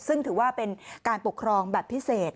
ซึ่งถือว่าเป็นการปกครองแบบพิเศษ